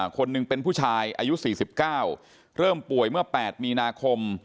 คนหนึ่งเป็นผู้ชายอายุ๔๙เริ่มป่วยเมื่อ๘มีนาคม